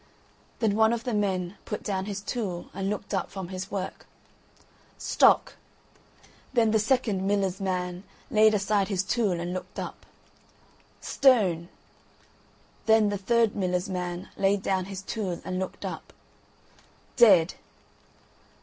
Then one of the men put down his tool and looked up from his work, "Stock!" Then the second miller's man laid aside his tool and looked up, "Stone!" Then the third miller's man laid down his tool and looked up, "Dead!"